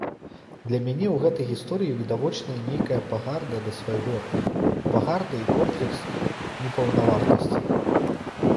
Для мяне ў гэтай гісторыі відавочная нейкая пагарда да свайго, пагарда і комплекс непаўнавартаснасці.